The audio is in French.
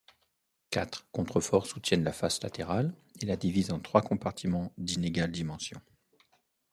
Quatre contre-forts soutiennent la face latérale et la divisent en trois compartiments d'inégales dimensions.